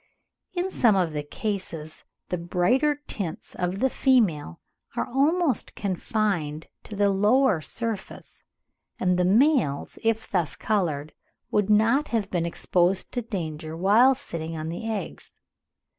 In some of the cases, the brighter tints of the female are almost confined to the lower surface, and the males, if thus coloured, would not have been exposed to danger whilst sitting on the eggs.